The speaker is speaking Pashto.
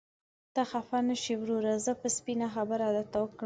ته خفه نشې وروره، زه به سپينه خبره درته وکړم.